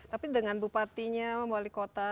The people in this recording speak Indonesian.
tapi dengan bupatinya wali kota